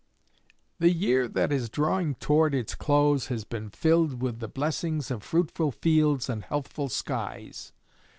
The year that is drawing toward its close has been filled with the blessings of fruitful fields and healthful skies.